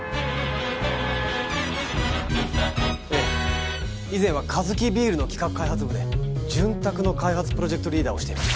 ええ以前はカヅキビールの企画開発部で潤沢の開発プロジェクトリーダーをしていました。